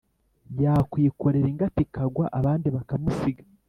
yakwikorera ingata ikagwa abandi bakamusiga,